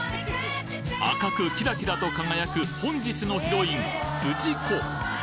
赤くキラキラと輝く本日のヒロインすじこ